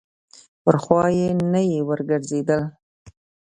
پر خوا یې نه یې ورګرځېدل.